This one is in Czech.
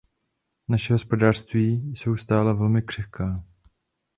Naše hospodářství jsou stále velmi křehká.